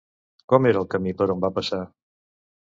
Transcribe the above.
Com era el camí per on va passar?